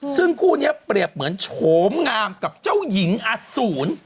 ซึ่งคู่นี้เปรียบเหมือนโฉมงามกับเจ้าหญิงอสูร